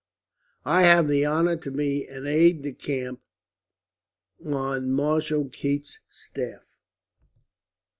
I have the honour to be an aide de camp on Marshal Keith's staff."